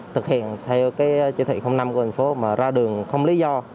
thực hiện theo cái chỉ thị năm của thành phố mà ra đường không lý do